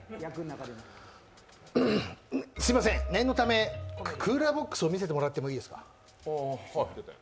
すいません、念のためクーラーボックスを見せてもらっていいですか？